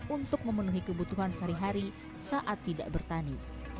untuk memenuhi kebutuhan sehari hari saat tidak bertani